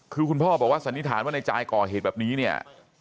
คือคุณพ่อบอกว่าสันนิษฐานว่าในจายก่อเหตุแบบนี้เนี่ย